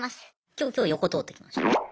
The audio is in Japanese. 今日横通ってきました。